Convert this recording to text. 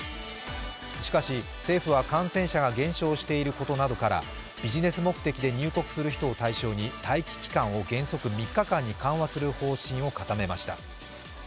しかし、政府は感染者が減少していることなどからビジネス目的で入国する人を対象に待機期間を原則３日間に緩和する方針を固めました。